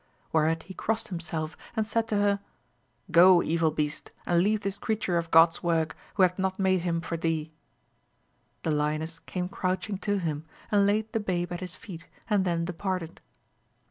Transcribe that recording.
Whereat he crossed himself, and said to her, Go, evil beast, and leave this creature of God*s work, who hath not made him for thee ! The lioness came crouching to him, and laid the babe at his feet, and then departed.